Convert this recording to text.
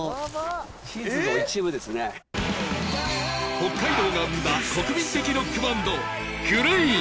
北海道が生んだ国民的ロックバンドＧＬＡＹ